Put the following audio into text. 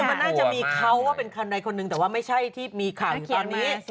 มันน่าจะมีเขาว่าเป็นคันใดคนหนึ่งแต่ว่าไม่ใช่ที่มีข่าวอยู่ตอนนี้